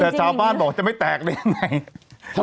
แต่ชาวบ้านบอกจะไม่แตกได้ยังไง